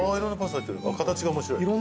形が面白い。